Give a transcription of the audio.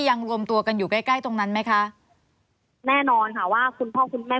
รวมตัวกันอยู่ใกล้ใกล้ตรงนั้นไหมคะแน่นอนค่ะว่าคุณพ่อคุณแม่